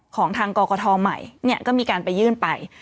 ของทางกกทใหม่เนี่ยก็มีการไปยื่นไป